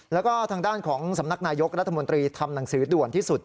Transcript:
แล้วก็ทางด้านของสำนักนายกรัฐมนตรีทำหนังสือด่วนที่สุด